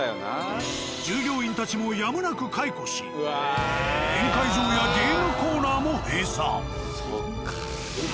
従業員たちもやむなく解雇し宴会場やゲームコーナーも閉鎖。